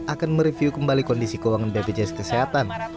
akan mereview kembali kondisi keuangan bpjs kesehatan